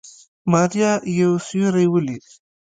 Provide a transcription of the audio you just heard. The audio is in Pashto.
ماريا يو سيوری وليد.